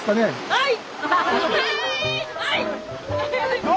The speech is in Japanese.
はい！